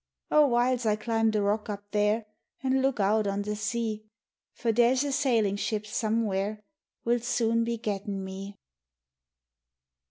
Oh, whiles I climb the rock up there, An' look out on the sea, For there's a sailin' ship somewhere Will soon be gettin' me